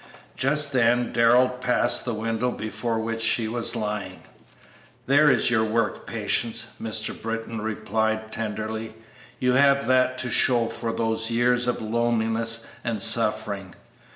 Just then Darrell passed the window before which she was lying. "There is your work, Patience," Mr. Britton replied, tenderly; "you have that to show for those years of loneliness and suffering.